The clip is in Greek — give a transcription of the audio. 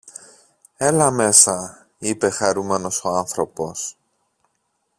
Έλα μέσα, είπε χαρούμενος ο άνθρωπος.